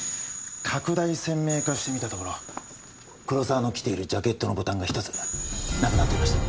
拡大鮮明化してみたところ黒沢の着ているジャケットのボタンがひとつなくなっていました。